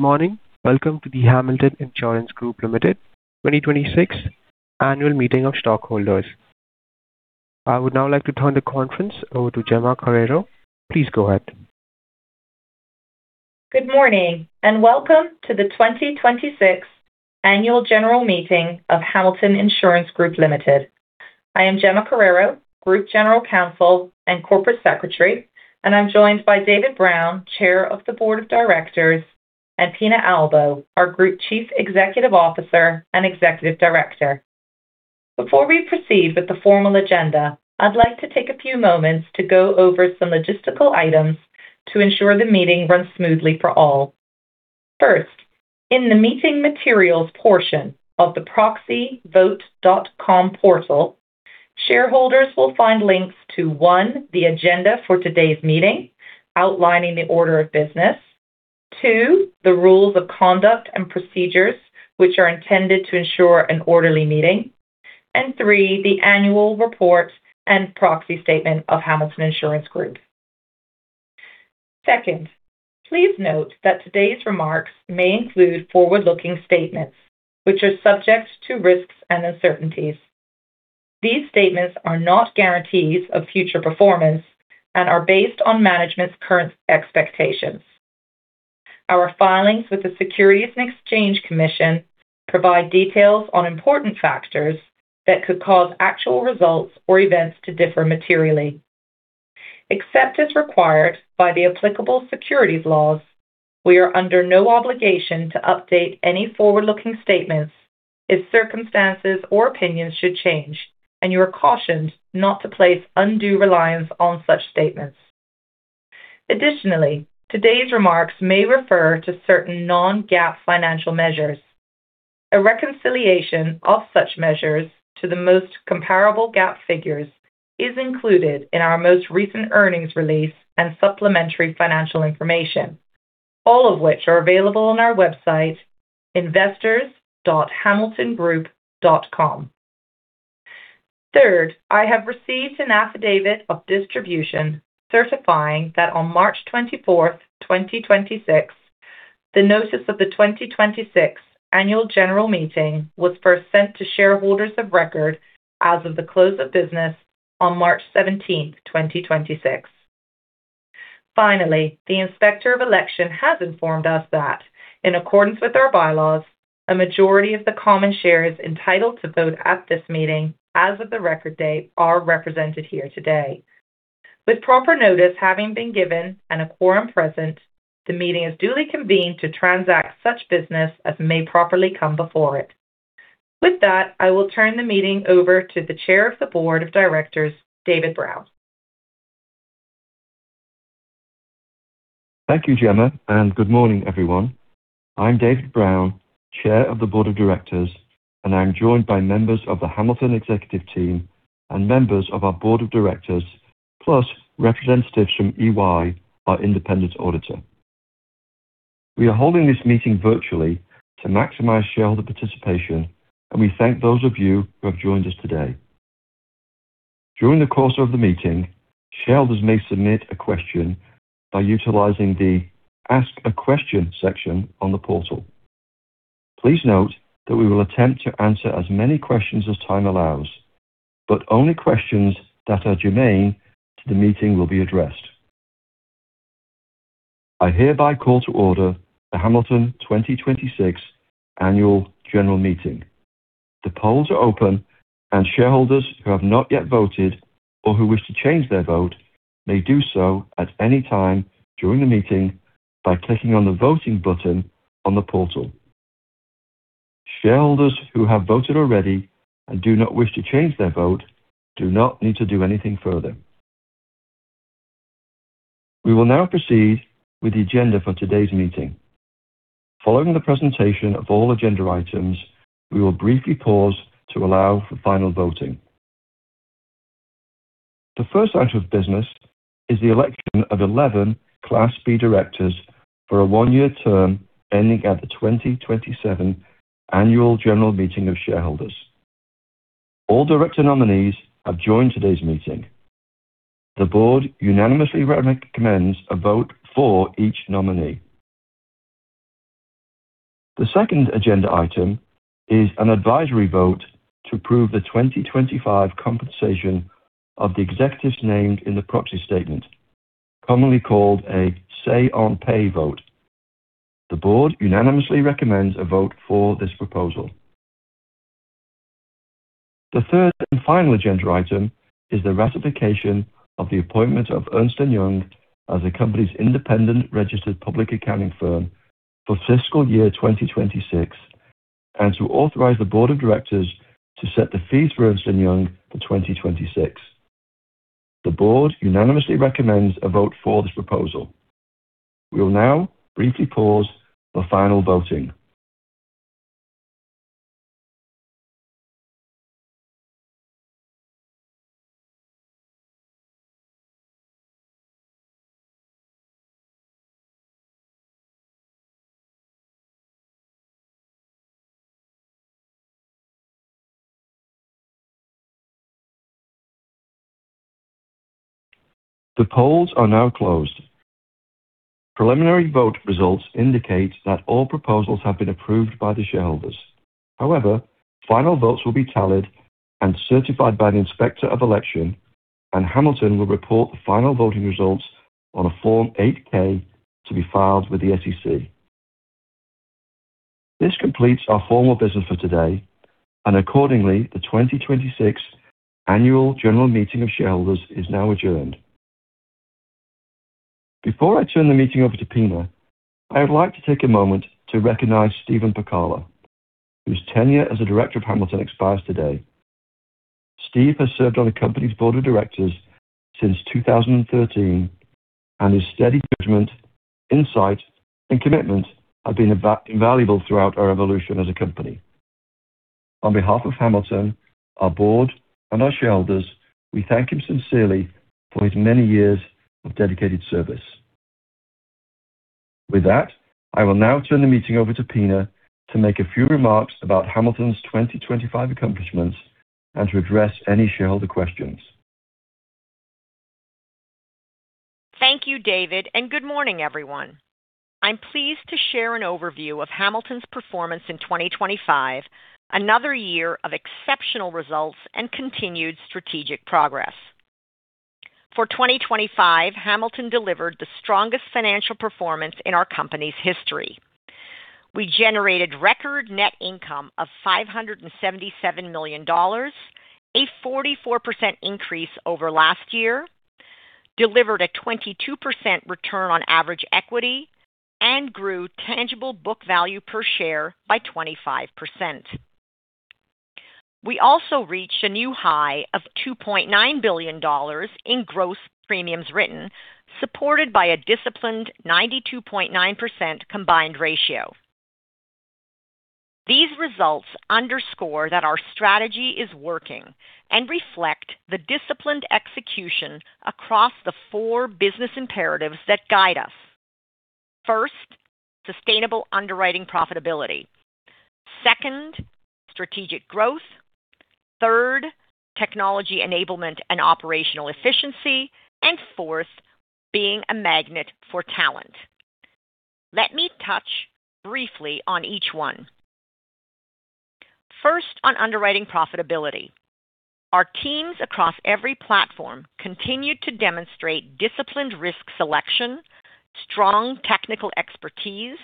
Good morning. Welcome to the Hamilton Insurance Group, Ltd. 2026 annual meeting of stockholders. I would now like to turn the conference over to Gemma Carreiro. Please go ahead. Good morning, and welcome to the 2026 annual general meeting of Hamilton Insurance Group, Ltd. I am Gemma Carreiro, Group General Counsel and Corporate Secretary, and I'm joined by David Brown, Chair of the Board of Directors, and Pina Albo, our Group Chief Executive Officer and Executive Director. Before we proceed with the formal agenda, I'd like to take a few moments to go over some logistical items to ensure the meeting runs smoothly for all. First, in the meeting materials portion of the proxyvote.com portal, shareholders will find links to, 1, the agenda for today's meeting outlining the order of business. 2, the rules of conduct and procedures which are intended to ensure an orderly meeting. 3, the annual report and proxy statement of Hamilton Insurance Group. Second, please note that today's remarks may include forward-looking statements, which are subject to risks and uncertainties. These statements are not guarantees of future performance and are based on management's current expectations. Our filings with the Securities and Exchange Commission provide details on important factors that could cause actual results or events to differ materially. Except as required by the applicable securities laws, we are under no obligation to update any forward-looking statements if circumstances or opinions should change, and you are cautioned not to place undue reliance on such statements. Additionally, today's remarks may refer to certain non-GAAP financial measures. A reconciliation of such measures to the most comparable GAAP figures is included in our most recent earnings release and supplementary financial information, all of which are available on our website, investors.hamiltongroup.com. Third, I have received an affidavit of distribution certifying that on March 24th, 2026, the notice of the 2026 annual general meeting was first sent to shareholders of record as of the close of business on March 17th, 2026. Finally, the Inspector of Election has informed us that in accordance with our bylaws, a majority of the common shares entitled to vote at this meeting as of the record date are represented here today. With proper notice having been given and a quorum present, the meeting is duly convened to transact such business as may properly come before it. With that, I will turn the meeting over to the Chair of the Board of Directors, David Brown. Thank you, Gemma. Good morning, everyone. I'm David Brown, Chair of the Board of Directors, and I am joined by members of the Hamilton Executive Team and members of our Board of Directors, plus representatives from EY, our independent auditor. We are holding this meeting virtually to maximize shareholder participation, and we thank those of you who have joined us today. During the course of the meeting, shareholders may submit a question by utilizing the Ask a Question section on the portal. Please note that we will attempt to answer as many questions as time allows, but only questions that are germane to the meeting will be addressed. I hereby call to order the Hamilton 2026 annual general meeting. The polls are open. Shareholders who have not yet voted or who wish to change their vote may do so at any time during the meeting by clicking on the voting button on the portal. Shareholders who have voted already and do not wish to change their vote do not need to do anything further. We will now proceed with the agenda for today's meeting. Following the presentation of all agenda items, we will briefly pause to allow for final voting. The first item of business is the election of 11 Class B directors for a 1-year term ending at the 2027 annual general meeting of shareholders. All director nominees have joined today's meeting. The board unanimously recommends a vote for each nominee. The second agenda item is an advisory vote to approve the 2025 compensation of the executives named in the proxy statement, commonly called a Say-on-pay vote. The board unanimously recommends a vote for this proposal. The third and final agenda item is the ratification of the appointment of Ernst & Young as the company's independent registered public accounting firm for fiscal year 2026 and to authorize the board of directors to set the fees for Ernst & Young for 2026. The board unanimously recommends a vote for this proposal. We will now briefly pause for final voting. The polls are now closed. Preliminary vote results indicate that all proposals have been approved by the shareholders. Final votes will be tallied and certified by the Inspector of Election, and Hamilton will report the final voting results on a Form 8-K to be filed with the SEC. This completes our formal business for today. Accordingly, the 2026 annual general meeting of shareholders is now adjourned. Before I turn the meeting over to Pina, I would like to take a moment to recognize Steve Pacala, whose tenure as a Director of Hamilton expires today. Steve has served on the company's board of directors since 2013. His steady judgment, insight, and commitment have been invaluable throughout our evolution as a company. On behalf of Hamilton, our board, and our shareholders, we thank him sincerely for his many years of dedicated service. With that, I will now turn the meeting over to Pina to make a few remarks about Hamilton's 2025 accomplishments and to address any shareholder questions. Thank you, David, and good morning, everyone. I'm pleased to share an overview of Hamilton's performance in 2025, another year of exceptional results and continued strategic progress. For 2025, Hamilton delivered the strongest financial performance in our company's history. We generated record net income of $577 million, a 44% increase over last year, delivered a 22% return on average equity and grew tangible book value per share by 25%. We also reached a new high of $2.9 billion in gross premiums written, supported by a disciplined 92.9% combined ratio. These results underscore that our strategy is working and reflect the disciplined execution across the 4 business imperatives that guide us. First, sustainable underwriting profitability. Second, strategic growth. Third, technology enablement and operational efficiency. And fourth, being a magnet for talent. Let me touch briefly on each one. First, on underwriting profitability. Our teams across every platform continued to demonstrate disciplined risk selection, strong technical expertise,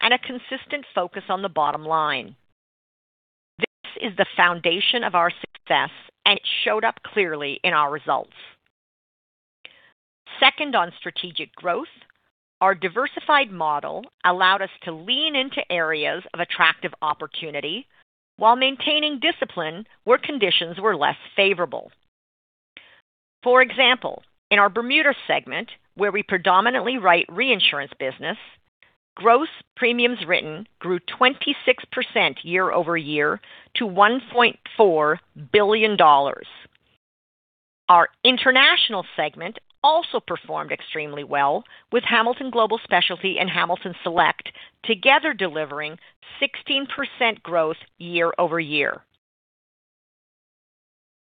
and a consistent focus on the bottom line. This is the foundation of our success, and it showed up clearly in our results. Second, on strategic growth. Our diversified model allowed us to lean into areas of attractive opportunity while maintaining discipline where conditions were less favorable. For example, in our Bermuda Segment, where we predominantly write reinsurance business, gross premiums written grew 26% year-over-year to $1.4 billion. Our international segment also performed extremely well with Hamilton Global Specialty and Hamilton Select together delivering 16% growth year-over-year.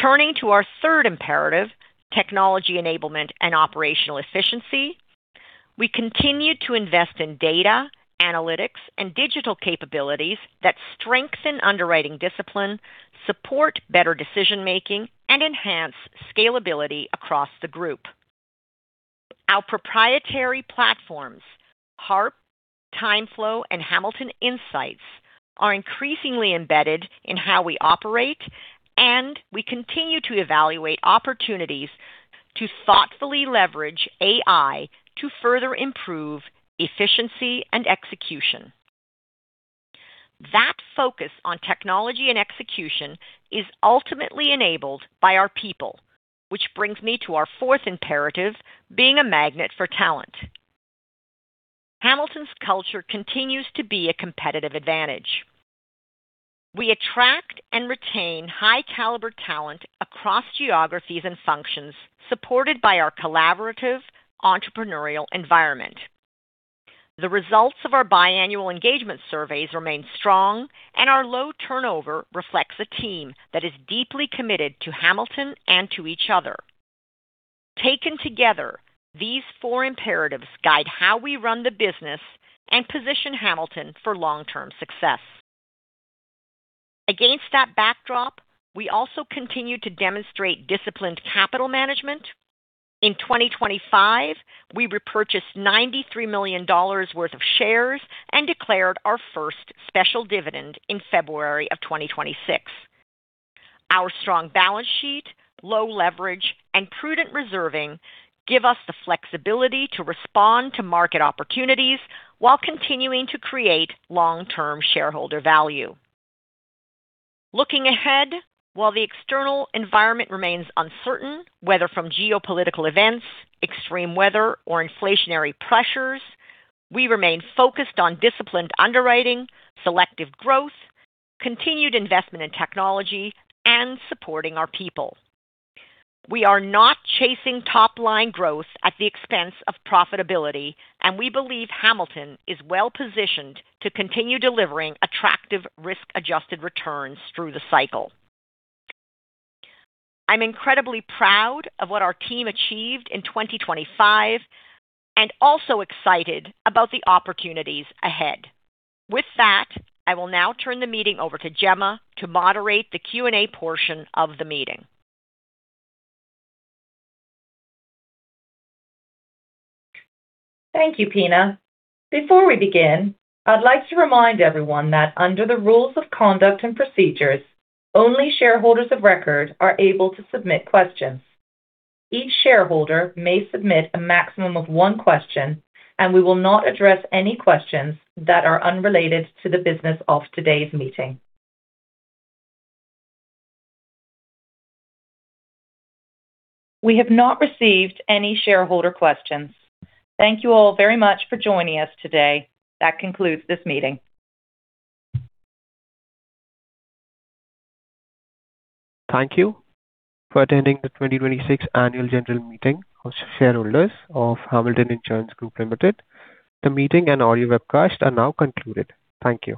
Turning to our third imperative, technology enablement and operational efficiency. We continued to invest in data, analytics, and digital capabilities that strengthen underwriting discipline, support better decision making, and enhance scalability across the group. Our proprietary platforms, HARP, Timeflow, and Hamilton Insights, are increasingly embedded in how we operate, and we continue to evaluate opportunities to thoughtfully leverage AI to further improve efficiency and execution. That focus on technology and execution is ultimately enabled by our people, which brings me to our fourth imperative, being a magnet for talent. Hamilton's culture continues to be a competitive advantage. We attract and retain high caliber talent across geographies and functions, supported by our collaborative entrepreneurial environment. The results of our biannual engagement surveys remain strong, and our low turnover reflects a team that is deeply committed to Hamilton and to each other. Taken together, these four imperatives guide how we run the business and position Hamilton for long-term success. Against that backdrop, we also continue to demonstrate disciplined capital management. In 2025, we repurchased $93 million worth of shares and declared our first special dividend in February of 2026. Our strong balance sheet, low leverage, and prudent reserving give us the flexibility to respond to market opportunities while continuing to create long-term shareholder value. Looking ahead, while the external environment remains uncertain, whether from geopolitical events, extreme weather, or inflationary pressures, we remain focused on disciplined underwriting, selective growth, continued investment in technology, and supporting our people. We are not chasing top-line growth at the expense of profitability, and we believe Hamilton is well-positioned to continue delivering attractive risk-adjusted returns through the cycle. I'm incredibly proud of what our team achieved in 2025 and also excited about the opportunities ahead. I will now turn the meeting over to Gemma to moderate the Q&A portion of the meeting. Thank you, Pina. Before we begin, I'd like to remind everyone that under the rules of conduct and procedures, only shareholders of record are able to submit questions. Each shareholder may submit a maximum of one question, and we will not address any questions that are unrelated to the business of today's meeting. We have not received any shareholder questions. Thank you all very much for joining us today. That concludes this meeting. Thank you for attending the 2026 annual general meeting of shareholders of Hamilton Insurance Group, Ltd. The meeting and audio webcast are now concluded. Thank you.